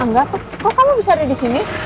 angga kok kamu bisa ada disini